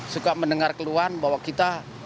suka mendengar keluhan bahwa kita